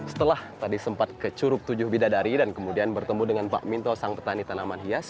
setelah tadi sempat ke curug tujuh bidadari dan kemudian bertemu dengan pak minto sang petani tanaman hias